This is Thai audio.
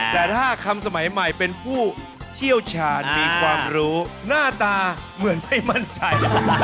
แต่ถ้าคำสมัยใหม่เป็นผู้เชี่ยวชาญมีความรู้หน้าตาเหมือนไม่มั่นใจ